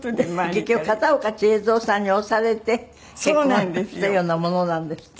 結局片岡千恵蔵さんに押されて結婚したようなものなんですって？